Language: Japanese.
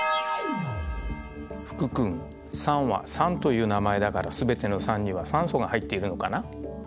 福君酸は酸という名前だから全ての酸には酸素が入っているのかな？